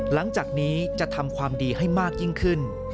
หลังจากนี้จะทำความดีให้มากยิ่งขึ้น